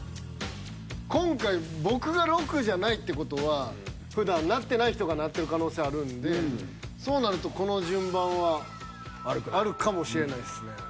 今回僕が６じゃないって事はふだんなってない人がなってる可能性あるんでそうなるとこの順番はあるかもしれないっすね。